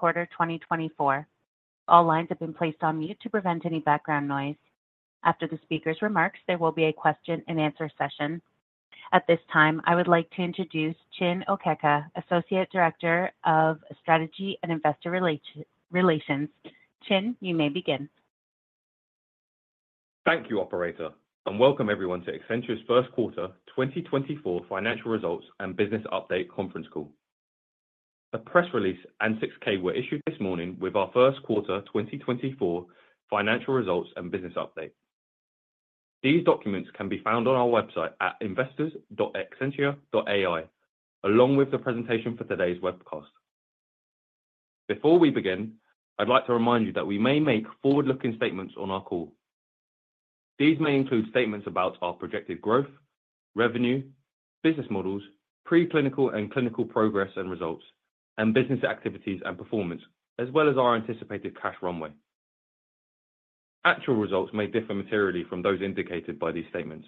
Q1 2024. All lines have been placed on mute to prevent any background noise. After the speaker's remarks, there will be a question and answer session. At this time, I would like to introduce Chin Okeaka, Associate Director of Strategy and Investor Relations. Chin, you may begin. Thank you, operator, and welcome everyone to Exscientia's first quarter 2024 financial results and business update conference call. A press release and 6-K were issued this morning with our first quarter 2024 financial results and business update. These documents can be found on our website at investors.exscientia.ai, along with the presentation for today's webcast. Before we begin, I'd like to remind you that we may make forward-looking statements on our call. These may include statements about our projected growth, revenue, business models, preclinical and clinical progress and results, and business activities and performance, as well as our anticipated cash runway. Actual results may differ materially from those indicated by these statements.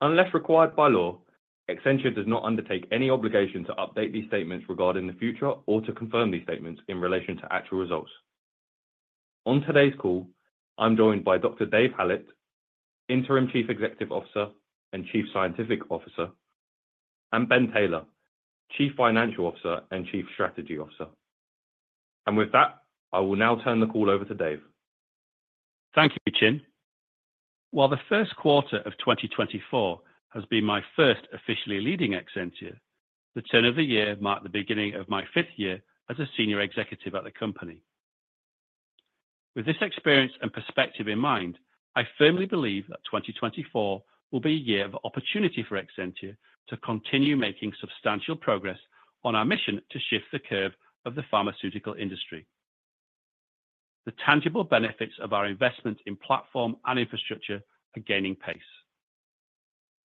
Unless required by law, Exscientia does not undertake any obligation to update these statements regarding the future or to confirm these statements in relation to actual results. On today's call, I'm joined by Dr. Dave Hallett, Interim Chief Executive Officer and Chief Scientific Officer, and Ben Taylor, Chief Financial Officer and Chief Strategy Officer. With that, I will now turn the call over to Dave. Thank you, Chin. While the first quarter of 2024 has been my first officially leading Exscientia, the turn of the year marked the beginning of my fifth year as a senior executive at the company. With this experience and perspective in mind, I firmly believe that 2024 will be a year of opportunity for Exscientia to continue making substantial progress on our mission to shift the curve of the pharmaceutical industry. The tangible benefits of our investment in platform and infrastructure are gaining pace.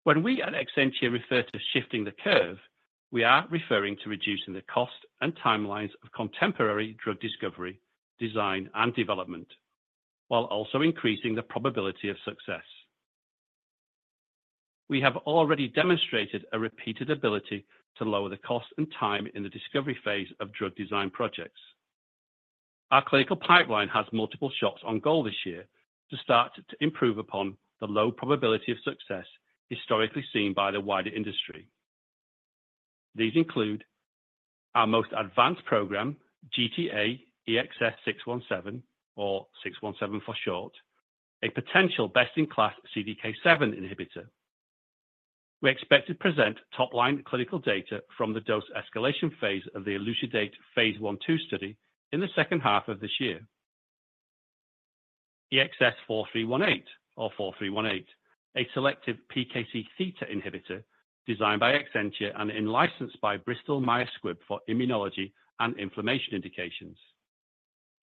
When we at Exscientia refer to shifting the curve, we are referring to reducing the cost and timelines of contemporary drug discovery, design, and development, while also increasing the probability of success. We have already demonstrated a repeated ability to lower the cost and time in the discovery phase of drug design projects. Our clinical pipeline has multiple shots on goal this year to start to improve upon the low probability of success historically seen by the wider industry. These include our most advanced program, GTAEXS617 or 617 for short, a potential best-in-class CDK7 inhibitor. We expect to present top-line clinical data from the dose escalation phase of the ELUCIDATE phase 1/2 study in the second half of this year. EXS4318 or 4318, a selective PKC theta inhibitor designed by Exscientia and in-licensed by Bristol Myers Squibb for immunology and inflammation indications.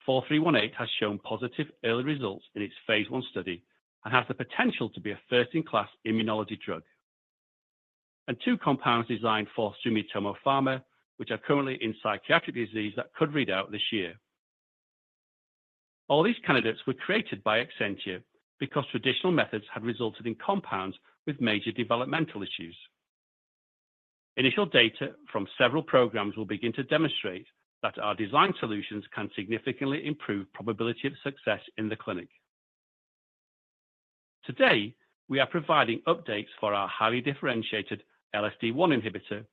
4318 has shown positive early results in its phase 1 study and has the potential to be a first-in-class immunology drug. And two compounds designed for Sumitomo Pharma, which are currently in psychiatric disease that could read out this year. All these candidates were created by Exscientia because traditional methods had resulted in compounds with major developmental issues. Initial data from several programs will begin to demonstrate that our design solutions can significantly improve probability of success in the clinic. Today, we are providing updates for our highly differentiated LSD1 inhibitor,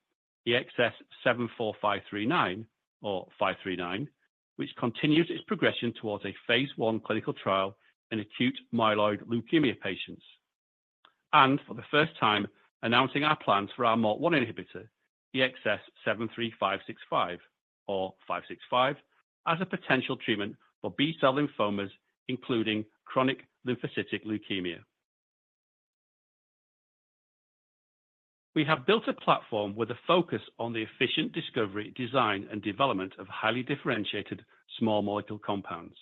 EXS-74539 or five three nine, which continues its progression towards a phase 1 clinical trial in acute myeloid leukemia patients. For the first time, announcing our plans for our MALT1 inhibitor, EXS-73565 or five six five, as a potential treatment for B-cell lymphomas, including chronic lymphocytic leukemia. We have built a platform with a focus on the efficient discovery, design, and development of highly differentiated small molecule compounds.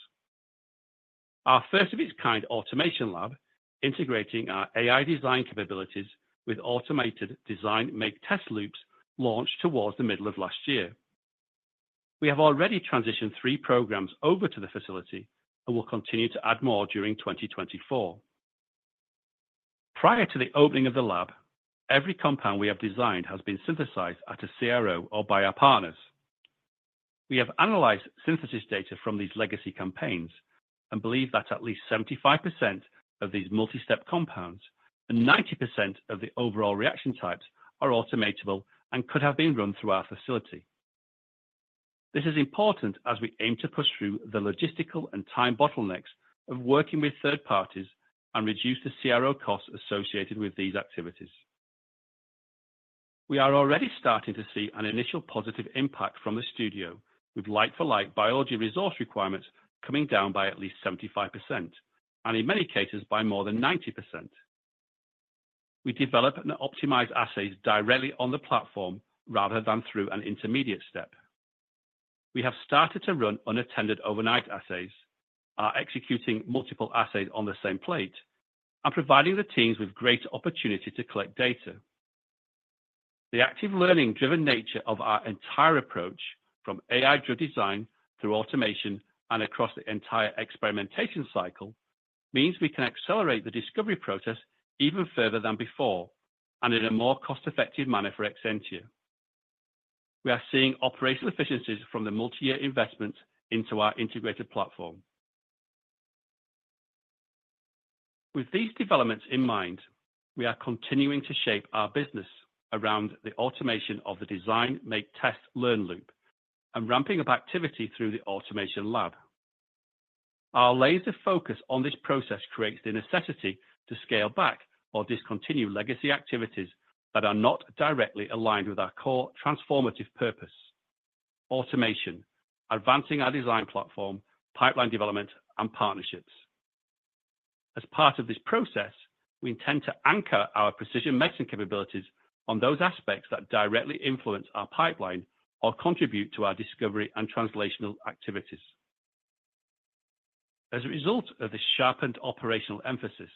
Our first of its kind automation lab, integrating our AI design capabilities with automated design-make-test loops, launched towards the middle of last year. We have already transitioned three programs over to the facility and will continue to add more during 2024. Prior to the opening of the lab, every compound we have designed has been synthesized at a CRO or by our partners. We have analyzed synthesis data from these legacy campaigns and believe that at least 75% of these multi-step compounds and 90% of the overall reaction types are automatable and could have been run through our facility. This is important as we aim to push through the logistical and time bottlenecks of working with third parties and reduce the CRO costs associated with these activities. We are already starting to see an initial positive impact from the studio, with like-for-like biology resource requirements coming down by at least 75%, and in many cases, by more than 90%. We develop and optimize assays directly on the platform rather than through an intermediate step. We have started to run unattended overnight assays, are executing multiple assays on the same plate, and providing the teams with greater opportunity to collect data. The active learning-driven nature of our entire approach, from AI drug design through automation and across the entire experimentation cycle, means we can accelerate the discovery process even further than before, and in a more cost-effective manner for Exscientia. We are seeing operational efficiencies from the multi-year investment into our integrated platform. With these developments in mind, we are continuing to shape our business around the automation of the design, make, test, learn loop, and ramping up activity through the automation lab. Our laser focus on this process creates the necessity to scale back or discontinue legacy activities that are not directly aligned with our core transformative purpose: automation, advancing our design platform, pipeline development, and partnerships. As part of this process, we intend to anchor our precision medicine capabilities on those aspects that directly influence our pipeline or contribute to our discovery and translational activities. As a result of this sharpened operational emphasis,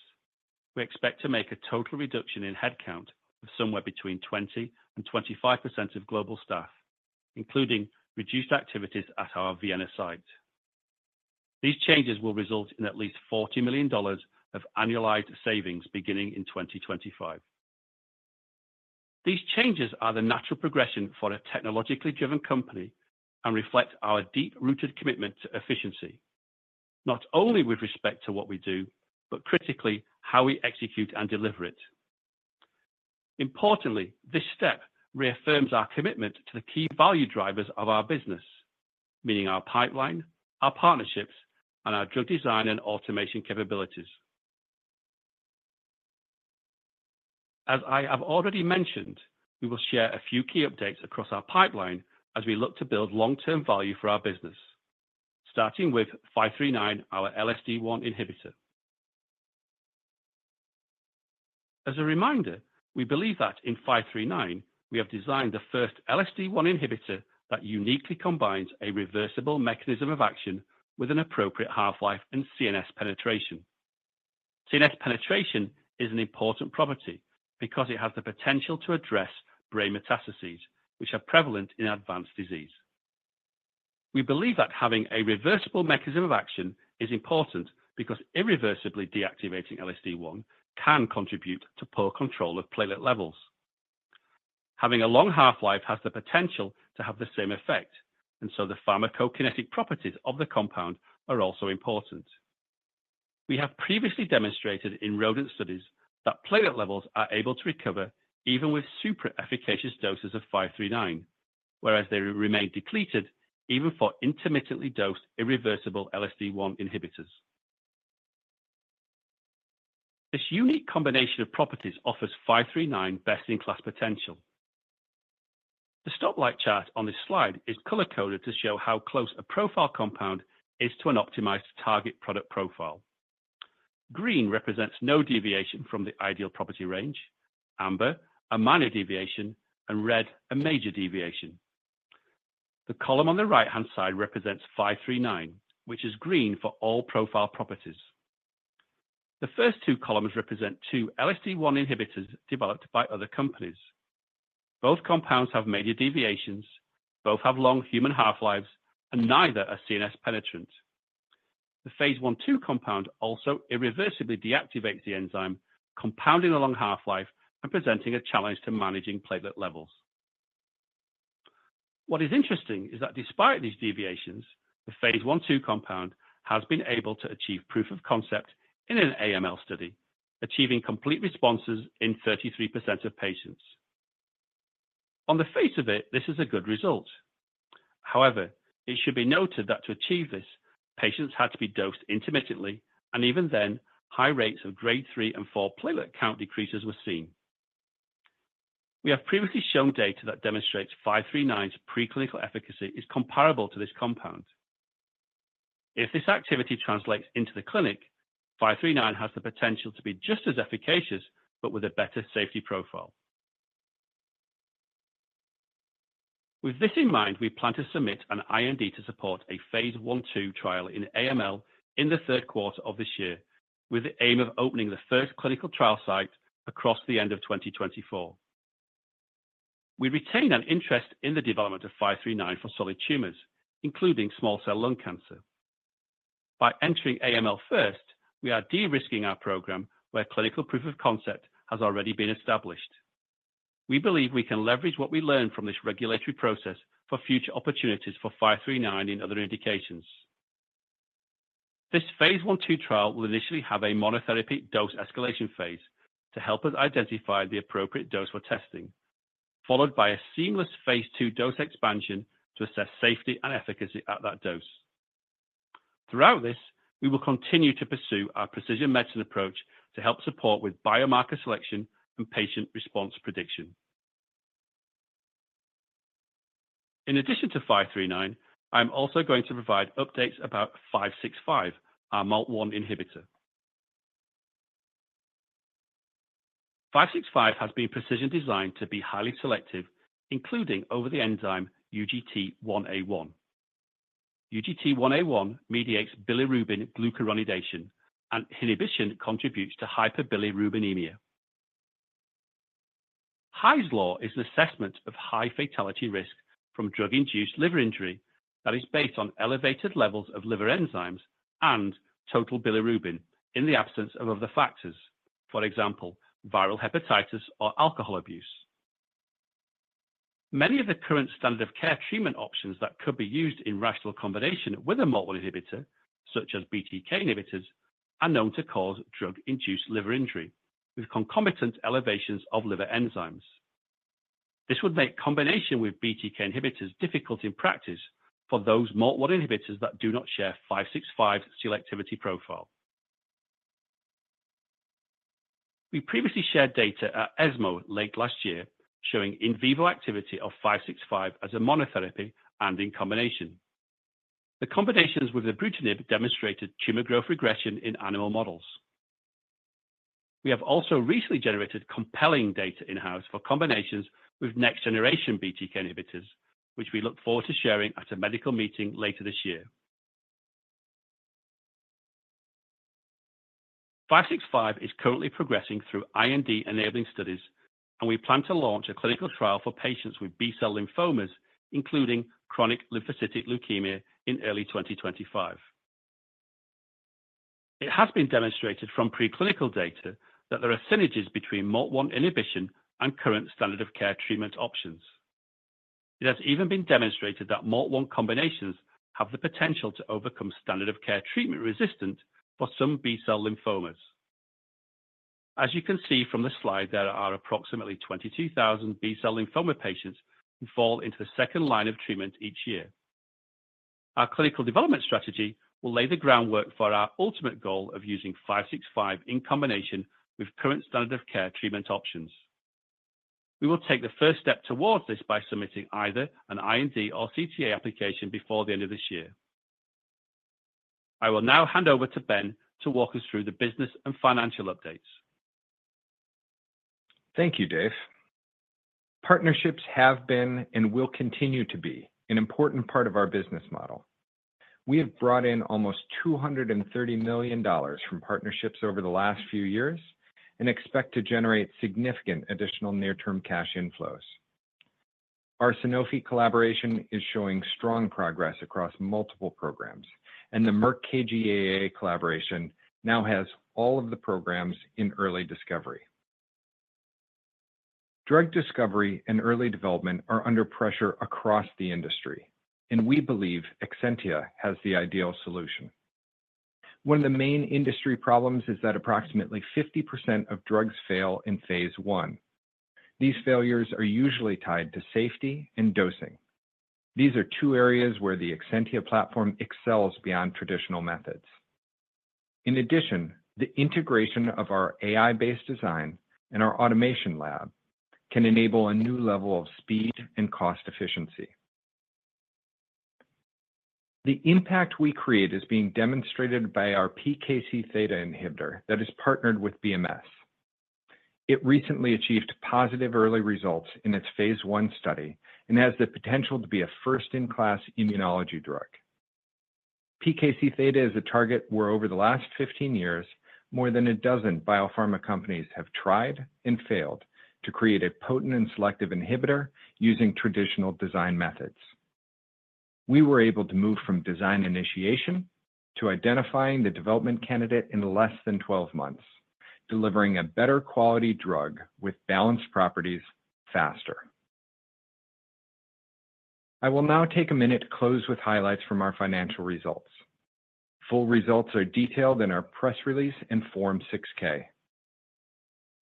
we expect to make a total reduction in headcount of somewhere between 20 and 25% of global staff, including reduced activities at our Vienna site. These changes will result in at least $40 million of annualized savings beginning in 2025. These changes are the natural progression for a technologically driven company and reflect our deep-rooted commitment to efficiency, not only with respect to what we do, but critically, how we execute and deliver it. Importantly, this step reaffirms our commitment to the key value drivers of our business, meaning our pipeline, our partnerships, and our drug design and automation capabilities. As I have already mentioned, we will share a few key updates across our pipeline as we look to build long-term value for our business. Starting with five three nine, our LSD1 inhibitor. As a reminder, we believe that in five three nine, we have designed the first LSD1 inhibitor that uniquely combines a reversible mechanism of action with an appropriate half-life and CNS penetration. CNS penetration is an important property because it has the potential to address brain metastases, which are prevalent in advanced disease. We believe that having a reversible mechanism of action is important because irreversibly deactivating LSD1 can contribute to poor control of platelet levels. Having a long half-life has the potential to have the same effect, and so the pharmacokinetic properties of the compound are also important. We have previously demonstrated in rodent studies that platelet levels are able to recover even with supra-efficacious doses of five three nine, whereas they remain depleted even for intermittently dosed irreversible LSD1 inhibitors. This unique combination of properties offers five three nine best-in-class potential. The stoplight chart on this slide is color-coded to show how close a profile compound is to an optimized target product profile. Green represents no deviation from the ideal property range, amber, a minor deviation, and red, a major deviation. The column on the right-hand side represents five three nine, which is green for all profile properties. The first two columns represent two LSD1 inhibitors developed by other companies. Both compounds have major deviations, both have long human half-lives, and neither are CNS penetrant. The phase I/II compound also irreversibly deactivates the enzyme, compounding a long half-life and presenting a challenge to managing platelet levels. What is interesting is that despite these deviations, the phase I/II compound has been able to achieve proof of concept in an AML study, achieving complete responses in 33% of patients. On the face of it, this is a good result. However, it should be noted that to achieve this, patients had to be dosed intermittently, and even then, high rates of Grade three and four platelet count decreases were seen. We have previously shown data that demonstrates five three nine's preclinical efficacy is comparable to this compound. If this activity translates into the clinic, five three nine has the potential to be just as efficacious, but with a better safety profile. With this in mind, we plan to submit an IND to support a phase I/II trial in AML in the third quarter of this year, with the aim of opening the first clinical trial site across the end of 2024. We retain an interest in the development of five three nine for solid tumors, including small cell lung cancer. By entering AML first, we are de-risking our program where clinical proof of concept has already been established. We believe we can leverage what we learn from this regulatory process for future opportunities for five three nine in other indications. This phase I/II trial will initially have a monotherapy dose escalation phase to help us identify the appropriate dose for testing, followed by a seamless phase II dose expansion to assess safety and efficacy at that dose. Throughout this, we will continue to pursue our precision medicine approach to help support with biomarker selection and patient response prediction. In addition to five three nine, I'm also going to provide updates about five six five, our MALT1 inhibitor. Five six five has been precision designed to be highly selective, including over the enzyme UGT1A1. UGT1A1 mediates bilirubin glucuronidation, and inhibition contributes to hyperbilirubinemia. Hy's Law is an assessment of high fatality risk from drug-induced liver injury that is based on elevated levels of liver enzymes and total bilirubin in the absence of other factors. For example, viral hepatitis or alcohol abuse. Many of the current standard of care treatment options that could be used in rational combination with a MALT1 inhibitor, such as BTK inhibitors, are known to cause drug-induced liver injury, with concomitant elevations of liver enzymes. This would make combination with BTK inhibitors difficult in practice for those MALT1 inhibitors that do not share five six five selectivity profile. We previously shared data at ESMO late last year, showing in vivo activity of five six five as a monotherapy and in combination. The combinations with Ibrutinib demonstrated tumor growth regression in animal models. We have also recently generated compelling data in-house for combinations with next generation BTK inhibitors, which we look forward to sharing at a medical meeting later this year. Five six five is currently progressing through IND-enabling studies, and we plan to launch a clinical trial for patients with B-cell lymphomas, including chronic lymphocytic leukemia, in early 2025. It has been demonstrated from preclinical data that there are synergies between MALT1 inhibition and current standard of care treatment options. It has even been demonstrated that MALT1 combinations have the potential to overcome standard of care treatment resistance for some B-cell lymphomas. As you can see from the slide, there are approximately 22,000 B-cell lymphoma patients who fall into the second line of treatment each year. Our clinical development strategy will lay the groundwork for our ultimate goal of using five six five in combination with current standard of care treatment options. We will take the first step towards this by submitting either an IND or CTA application before the end of this year. I will now hand over to Ben to walk us through the business and financial updates. Thank you, Dave. Partnerships have been and will continue to be an important part of our business model. We have brought in almost $230 million from partnerships over the last few years and expect to generate significant additional near-term cash inflows. Our Sanofi collaboration is showing strong progress across multiple programs, and the Merck KGaA collaboration now has all of the programs in early discovery. Drug discovery and early development are under pressure across the industry, and we believe Exscientia has the ideal solution. One of the main industry problems is that approximately 50% of drugs fail in phase one. These failures are usually tied to safety and dosing. These are two areas where the Exscientia platform excels beyond traditional methods. In addition, the integration of our AI-based design and our automation lab can enable a new level of speed and cost efficiency. The impact we create is being demonstrated by our PKC theta inhibitor that is partnered with BMS. It recently achieved positive early results in its phase 1 study and has the potential to be a first-in-class immunology drug. PKC theta is a target where, over the last 15 years, more than 12 biopharma companies have tried and failed to create a potent and selective inhibitor using traditional design methods. We were able to move from design initiation to identifying the development candidate in less than 12 months, delivering a better quality drug with balanced properties faster. I will now take a minute to close with highlights from our financial results. Full results are detailed in our press release and Form 6-K.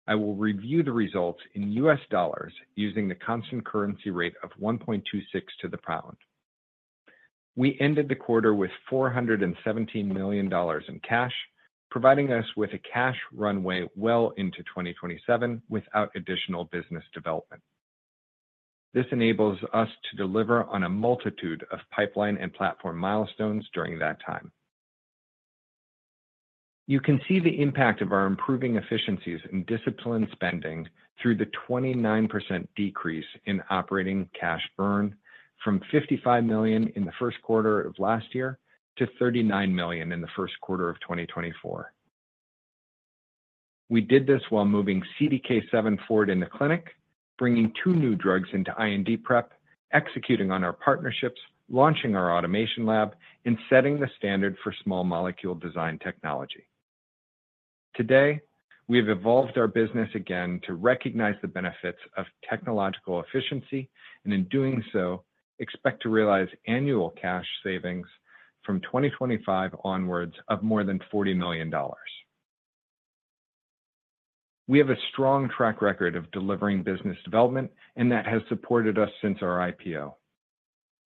I will review the results in U.S. dollars using the constant currency rate of 1.26 to the pound. We ended the quarter with $417 million in cash, providing us with a cash runway well into 2027 without additional business development. This enables us to deliver on a multitude of pipeline and platform milestones during that time. You can see the impact of our improving efficiencies and disciplined spending through the 29% decrease in operating cash burn from $55 million in the first quarter of last year to $39 million in the first quarter of 2024. We did this while moving CDK7 forward in the clinic, bringing two new drugs into IND prep, executing on our partnerships, launching our automation lab, and setting the standard for small molecule design technology. Today, we have evolved our business again to recognize the benefits of technological efficiency and in doing so, expect to realize annual cash savings from 2025 onwards of more than $40 million. We have a strong track record of delivering business development, and that has supported us since our IPO.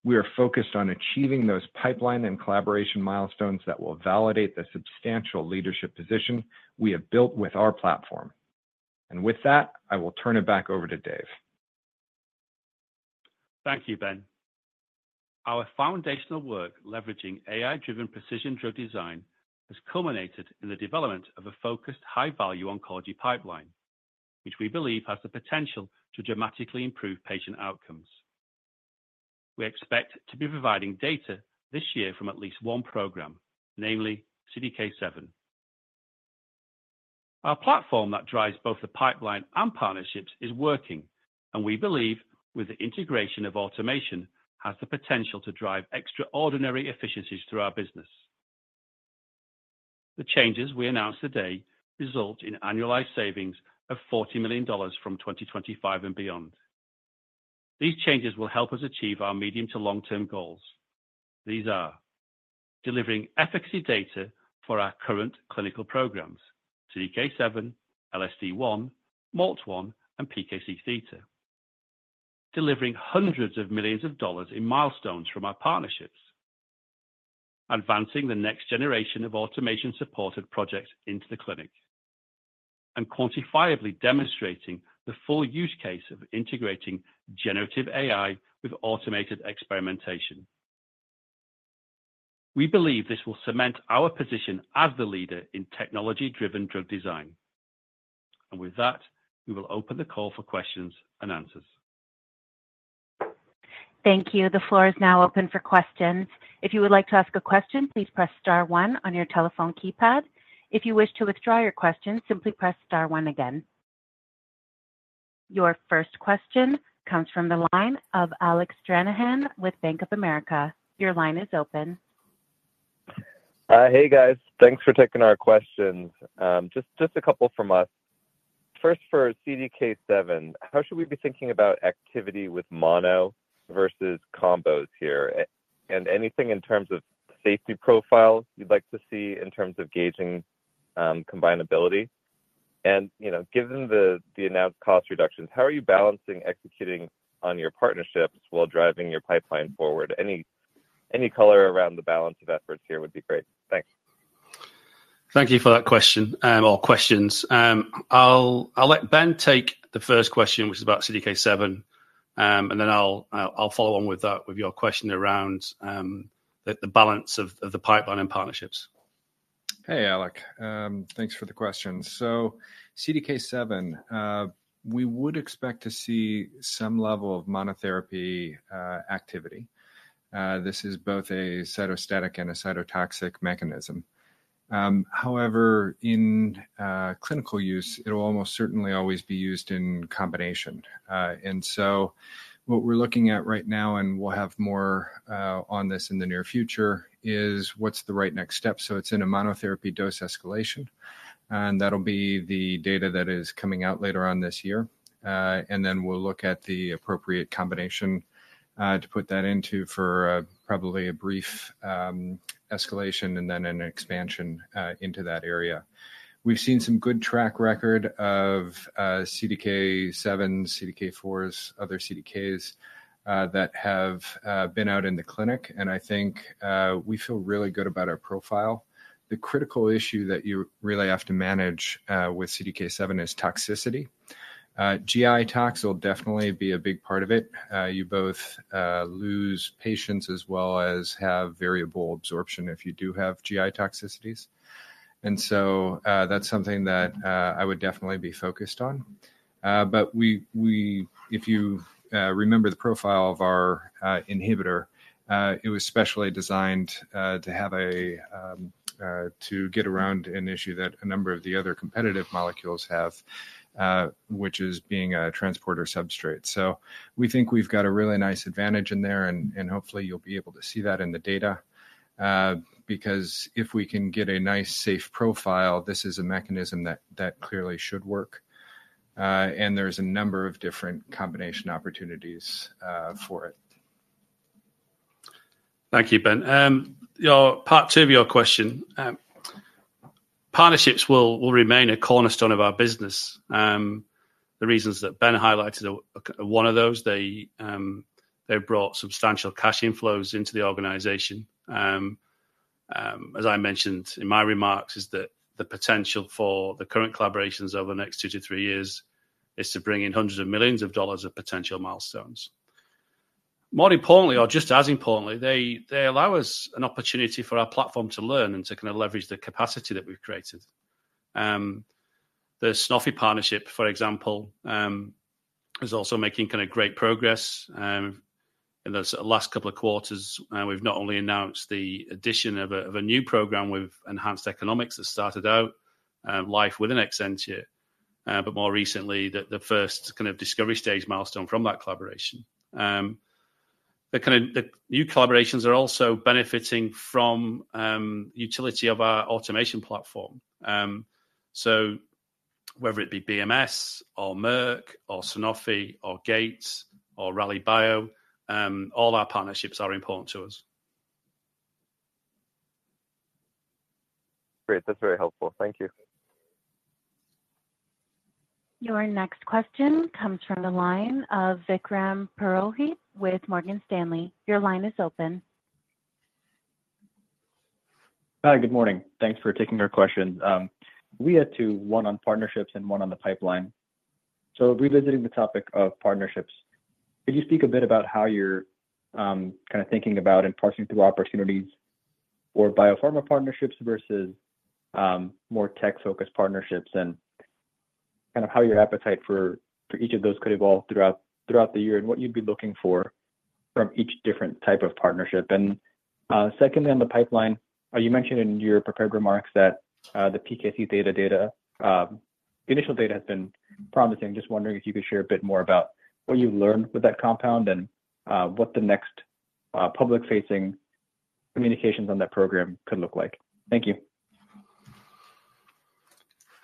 We are focused on achieving those pipeline and collaboration milestones that will validate the substantial leadership position we have built with our platform. With that, I will turn it back over to Dave. Thank you, Ben. Our foundational work, leveraging AI-driven precision drug design, has culminated in the development of a focused, high-value oncology pipeline, which we believe has the potential to dramatically improve patient outcomes.... We expect to be providing data this year from at least one program, namely CDK7. Our platform that drives both the pipeline and partnerships is working, and we believe with the integration of automation, has the potential to drive extraordinary efficiencies through our business. The changes we announced today result in annualized savings of $40 million from 2025 and beyond. These changes will help us achieve our medium to long-term goals. These are: delivering efficacy data for our current clinical programs, CDK7, LSD1, MALT1, and PKC theta. Delivering hundreds of millions of dollars in milestones from our partnerships. Advancing the next generation of automation-supported projects into the clinic, and quantifiably demonstrating the full use case of integrating generative AI with automated experimentation. We believe this will cement our position as the leader in technology-driven drug design. With that, we will open the call for questions and answers. Thank you. The floor is now open for questions. If you would like to ask a question, please press star one on your telephone keypad. If you wish to withdraw your question, simply press star one again. Your first question comes from the line of Alec Stranahan with Bank of America. Your line is open. Hey, guys. Thanks for taking our questions. Just a couple from us. First, for CDK7, how should we be thinking about activity with mono versus combos here? And anything in terms of safety profiles you'd like to see in terms of gauging combinability? And, you know, given the announced cost reductions, how are you balancing executing on your partnerships while driving your pipeline forward? Any color around the balance of efforts here would be great. Thanks. Thank you for that question, or questions. I'll let Ben take the first question, which is about CDK7, and then I'll follow on with that, with your question around the balance of the pipeline and partnerships. Hey, Alec. Thanks for the question. So CDK7, we would expect to see some level of monotherapy activity. This is both a cytostatic and a cytotoxic mechanism. However, in clinical use, it'll almost certainly always be used in combination. And so what we're looking at right now, and we'll have more on this in the near future, is what's the right next step. So it's in a monotherapy dose escalation, and that'll be the data that is coming out later on this year. And then we'll look at the appropriate combination to put that into for probably a brief escalation and then an expansion into that area. We've seen some good track record of CDK7, CDK4s, other CDKs that have been out in the clinic, and I think we feel really good about our profile. The critical issue that you really have to manage with CDK7 is toxicity. GI tox will definitely be a big part of it. You both lose patients as well as have variable absorption if you do have GI toxicities. And so, that's something that I would definitely be focused on. But we, we-- if you remember the profile of our inhibitor, it was specially designed to have a to get around an issue that a number of the other competitive molecules have, which is being a transporter substrate. So we think we've got a really nice advantage in there, and hopefully you'll be able to see that in the data. Because if we can get a nice, safe profile, this is a mechanism that clearly should work, and there's a number of different combination opportunities for it. Thank you, Ben. Your part two of your question. Partnerships will, will remain a cornerstone of our business. The reasons that Ben highlighted, one of those, they, they brought substantial cash inflows into the organization. As I mentioned in my remarks, is that the potential for the current collaborations over the next 2-3 years is to bring in $hundreds of millions of potential milestones. More importantly, or just as importantly, they, they allow us an opportunity for our platform to learn and to kind of leverage the capacity that we've created. The Sanofi partnership, for example, is also making kind of great progress. In the last couple of quarters, we've not only announced the addition of a new program with enhanced economics that started out life within Excientia, but more recently, the first kind of discovery stage milestone from that collaboration. The new collaborations are also benefiting from utility of our automation platform. So whether it be BMS or Merck or Sanofi or Gates or Rallybio, all our partnerships are important to us. Great. That's very helpful. Thank you. Your next question comes from the line of Vikram Purohit with Morgan Stanley. Your line is open. Hi, good morning. Thanks for taking our questions. We had two, one on partnerships and one on the pipeline. So revisiting the topic of partnerships, could you speak a bit about how you're kind of thinking about and parsing through opportunities for biopharma partnerships versus more tech-focused partnerships? And kind of how your appetite for each of those could evolve throughout the year, and what you'd be looking for from each different type of partnership? And secondly, on the pipeline, you mentioned in your prepared remarks that the PKC theta data, the initial data has been promising. Just wondering if you could share a bit more about what you've learned with that compound, and what the next public-facing communications on that program could look like. Thank you.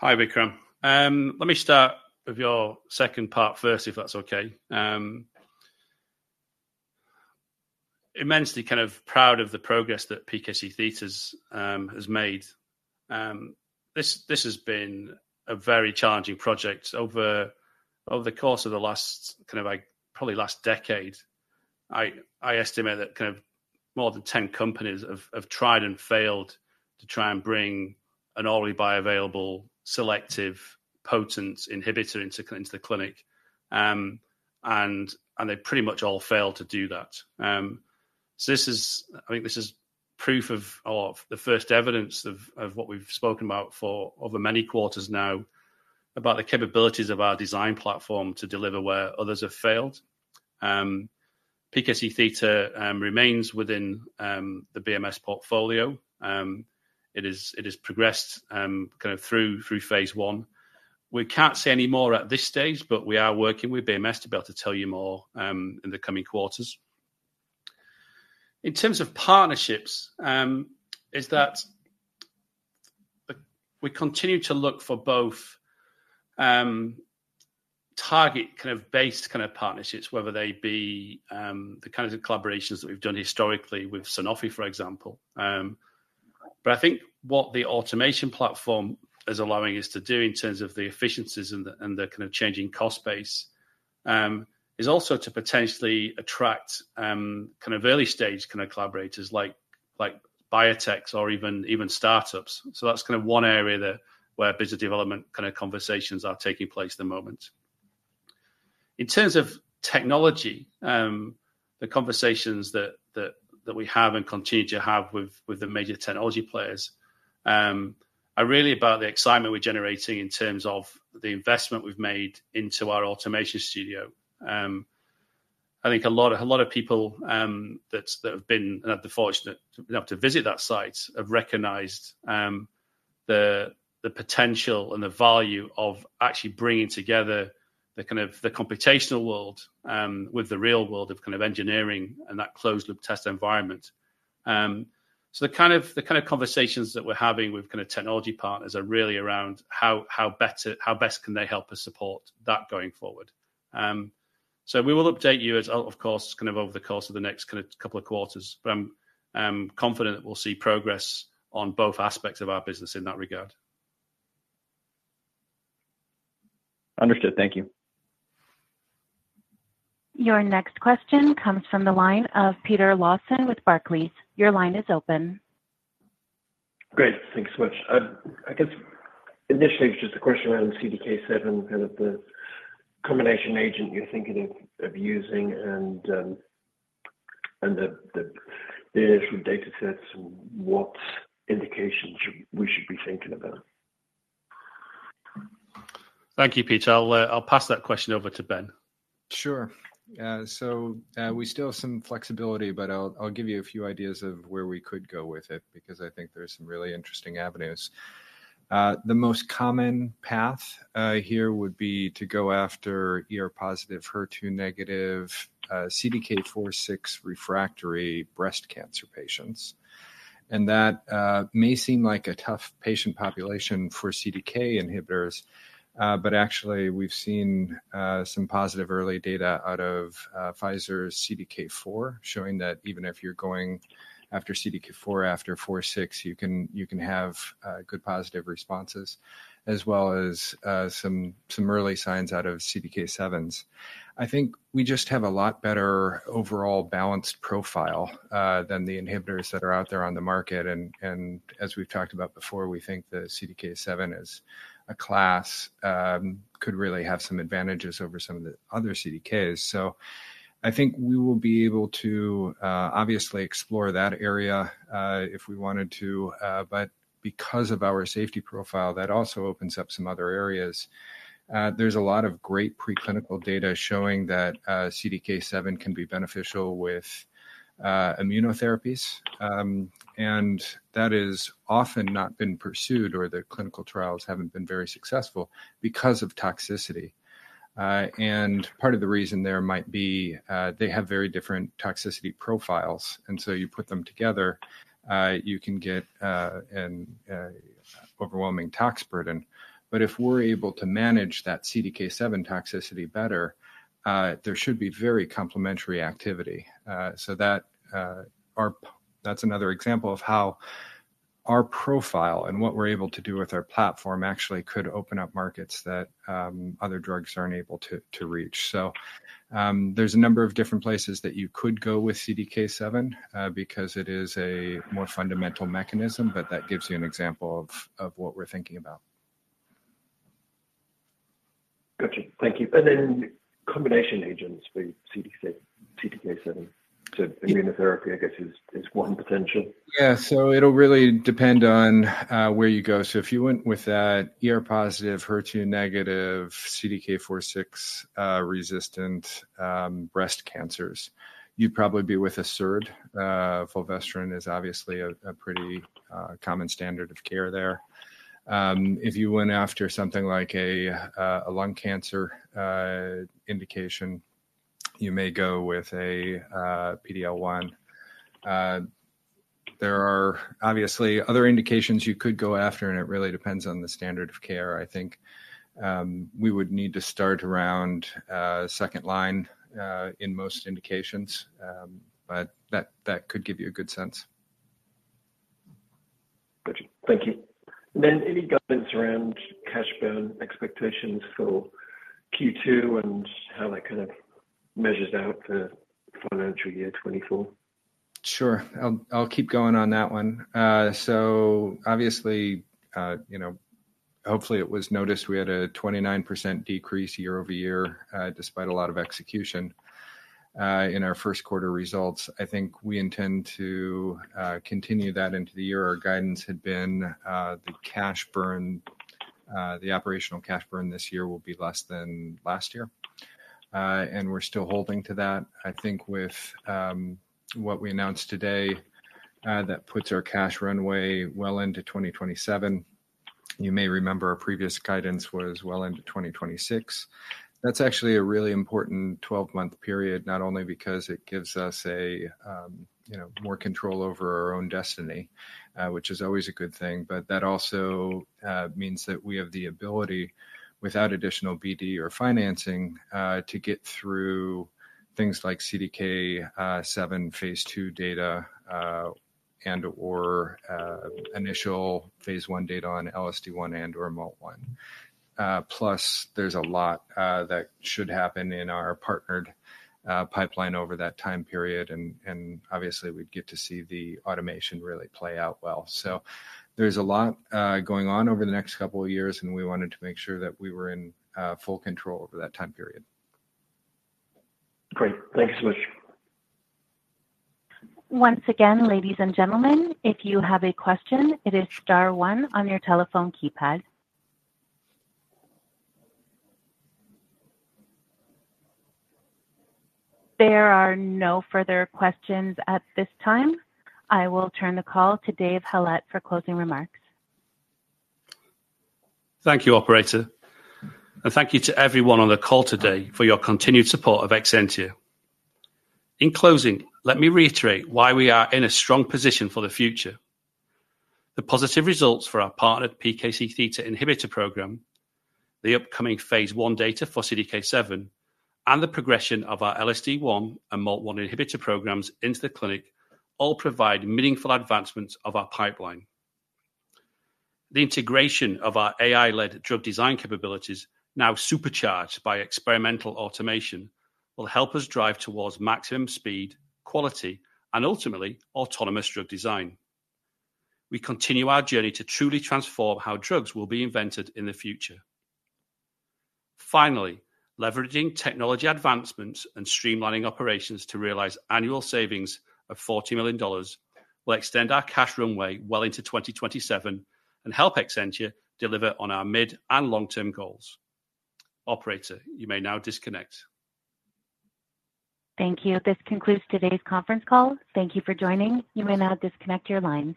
Hi, Vikram. Let me start with your second part first, if that's okay. Immensely kind of proud of the progress that PKC theta's has made. This has been a very challenging project over the course of the last kind of like probably last decade. I estimate that kind of more than ten companies have tried and failed to try and bring an orally bioavailable, selective, potent inhibitor into the clinic. And they pretty much all failed to do that. So this is—I think this is proof of or the first evidence of what we've spoken about for over many quarters now, about the capabilities of our design platform to deliver where others have failed. PKC theta remains within the BMS portfolio. It has progressed kind of through phase one. We can't say any more at this stage, but we are working with BMS to be able to tell you more in the coming quarters. In terms of partnerships, it is that we continue to look for both target kind of based kind of partnerships, whether they be the kinds of collaborations that we've done historically with Sanofi, for example. But I think what the automation platform is allowing us to do in terms of the efficiencies and the kind of changing cost base is also to potentially attract kind of early stage kind of collaborators like biotechs or even startups. So that's kind of one area where business development kind of conversations are taking place at the moment. In terms of technology, the conversations that we have and continue to have with the major technology players are really about the excitement we're generating in terms of the investment we've made into our automation studio. I think a lot of people that have been fortunate enough to visit that site have recognized the potential and the value of actually bringing together the kind of computational world with the real world of kind of engineering and that closed-loop test environment. So the kind of conversations that we're having with kind of technology partners are really around how best can they help us support that going forward. So we will update you as, of course, kind of over the course of the next kind of couple of quarters, but I'm confident that we'll see progress on both aspects of our business in that regard. Understood. Thank you. Your next question comes from the line of Peter Lawson with Barclays. Your line is open. Great. Thanks so much. I guess initially, it's just a question around CDK7, kind of the combination agent you're thinking of using and the initial datasets, and what indications we should be thinking about? Thank you, Peter. I'll, I'll pass that question over to Ben. Sure. So, we still have some flexibility, but I'll give you a few ideas of where we could go with it, because I think there are some really interesting avenues. The most common path here would be to go after ER-positive, HER2-negative CDK4/6 refractory breast cancer patients. That may seem like a tough patient population for CDK inhibitors, but actually, we've seen some positive early data out of Pfizer's CDK4, showing that even if you're going after CDK4 after 4/6, you can have good positive responses, as well as some early signs out of CDK7s. I think we just have a lot better overall balanced profile than the inhibitors that are out there on the market, and, and as we've talked about before, we think that CDK7 as a class could really have some advantages over some of the other CDKs. So I think we will be able to obviously explore that area if we wanted to, but because of our safety profile, that also opens up some other areas. There's a lot of great preclinical data showing that CDK7 can be beneficial with immunotherapies, and that is often not been pursued or the clinical trials haven't been very successful because of toxicity. And part of the reason there might be they have very different toxicity profiles, and so you put them together you can get an overwhelming tox burden. But if we're able to manage that CDK7 toxicity better, there should be very complementary activity. So that, our-- that's another example of how our profile and what we're able to do with our platform actually could open up markets that, other drugs aren't able to, to reach. So, there's a number of different places that you could go with CDK7, because it is a more fundamental mechanism, but that gives you an example of, of what we're thinking about.... Gotcha. Thank you. And then combination agents for CDK, CDK7 to immunotherapy, I guess, is, is one potential? Yeah. So it'll really depend on where you go. So if you went with that ER-positive, HER2-negative, CDK4/6 resistant breast cancers, you'd probably be with a SERD. Fulvestrant is obviously a pretty common standard of care there. If you went after something like a lung cancer indication, you may go with a PD-L1. There are obviously other indications you could go after, and it really depends on the standard of care. I think we would need to start around second line in most indications, but that could give you a good sense. Gotcha. Thank you. Any guidance around cash burn expectations for Q2 and how that kind of measures out the financial year 2024? Sure. I'll, I'll keep going on that one. So obviously, you know, hopefully it was noticed we had a 29% decrease year-over-year, despite a lot of execution, in our first quarter results. I think we intend to, continue that into the year. Our guidance had been, the cash burn, the operational cash burn this year will be less than last year, and we're still holding to that. I think with, what we announced today, that puts our cash runway well into 2027. You may remember our previous guidance was well into 2026. That's actually a really important 12-month period, not only because it gives us a, you know, more control over our own destiny, which is always a good thing, but that also means that we have the ability, without additional BD or financing, to get through things like CDK 7, phase 2 data, and/or initial phase 1 data on LSD1 and/or MALT1. Plus, there's a lot that should happen in our partnered pipeline over that time period, and, and obviously we'd get to see the automation really play out well. So there's a lot going on over the next couple of years, and we wanted to make sure that we were in full control over that time period. Great. Thank you so much. Once again, ladies and gentlemen, if you have a question, it is star one on your telephone keypad. There are no further questions at this time. I will turn the call to Dave Hallett for closing remarks. Thank you, operator, and thank you to everyone on the call today for your continued support of Exscientia. In closing, let me reiterate why we are in a strong position for the future. The positive results for our partnered PKC theta inhibitor program, the upcoming phase 1 data for CDK7, and the progression of our LSD1 and MALT1 inhibitor programs into the clinic all provide meaningful advancements of our pipeline. The integration of our AI-led drug design capabilities, now supercharged by experimental automation, will help us drive towards maximum speed, quality, and ultimately autonomous drug design. We continue our journey to truly transform how drugs will be invented in the future. Finally, leveraging technology advancements and streamlining operations to realize annual savings of $40 million will extend our cash runway well into 2027 and help Exscientia deliver on our mid and long-term goals. Operator, you may now disconnect. Thank you. This concludes today's conference call. Thank you for joining. You may now disconnect your lines.